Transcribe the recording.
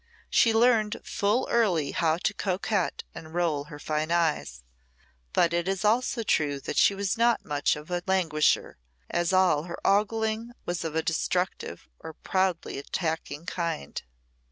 She learned full early how to coquet and roll her fine eyes; but it is also true that she was not much of a languisher, as all her ogling was of a destructive or proudly attacking kind.